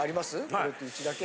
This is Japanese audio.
これってうちだけ？